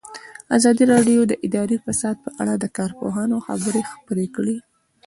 ازادي راډیو د اداري فساد په اړه د کارپوهانو خبرې خپرې کړي.